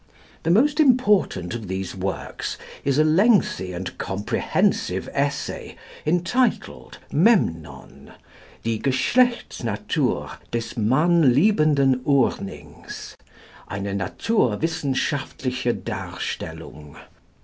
The most important of these works is a lengthy and comprehensive Essay entitled "Memnon. Die Geschlechtsnatur des mannliebenden Urnings. Eine naturwissenschaftliche Darstellung.